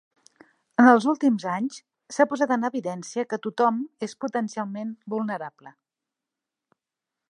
En els últims anys, s'ha posat en evidència que tothom és potencialment vulnerable.